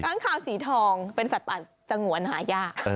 ค้างคาวสีทองเป็นสัตว์ป่าสงวนหายาก